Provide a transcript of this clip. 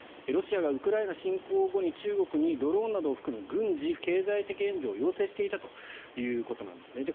ロシアがウクライナ侵攻後に中国にドローンなどを含む軍事・経済的援助を要請していたということなんです。